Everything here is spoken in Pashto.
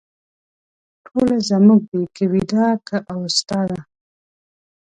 ټوله زموږ دي که ویدا که اوستا ده